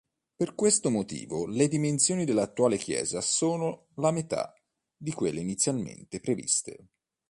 Per questo motivo le dimensioni dell'attuale chiesa sono la metà di quelle inizialmente previste.